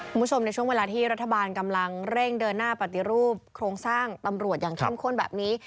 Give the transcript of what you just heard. คุณผู้ชมในช่วงเวลาที่รัฐบาลกำลังเร่งเดินหน้าปฏิรูปโครงสร้างตำรวจอย่างเข้มข้นแบบนี้